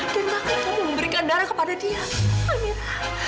dan maka kamu memberikan darah kepada dia amira